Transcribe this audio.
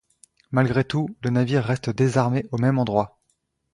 Malgré tout, le navire reste désarmé au même endroit.